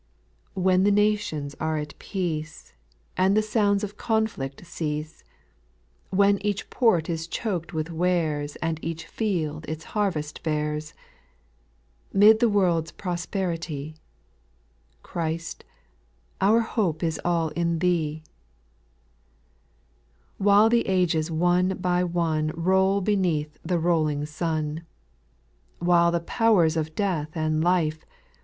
When the nations are at peace, And the sounds of conflict cease ; When each port is choked with warea And each field its harvest bears ; Mid the world's prosperity, Christ, our hope is all in Thee I 3. While the ages one by one Roll beneath the rolling sun ;— While the powers of death and life.